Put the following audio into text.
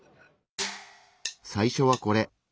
最初はこれ。